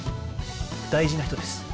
大事な人です。